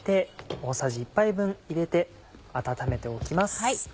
大さじ１杯分入れて温めておきます。